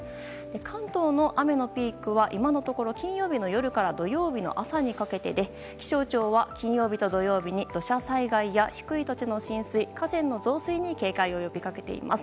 関東の雨のピークは、今のところ金曜の夜から土曜の朝にかけてで気象庁は金曜日と土曜日に土砂災害や低い土地の浸水河川の増水に警戒を呼びかけています。